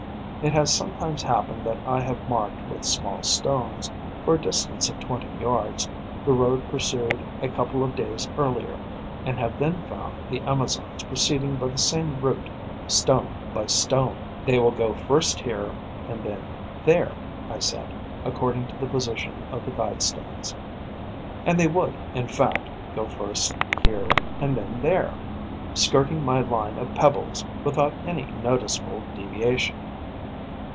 It has sometimes happened that I have marked with small stones, for a distance of twenty yards, the road pursued a couple of days earlier and have then found the Amazons proceeding by the same route, stone by stone: 'They will go first here and then there,' I said, according to the position of the guide stones. And they would, in fact, go first here and then there, skirting my line of pebbles, without any noticeable deviation.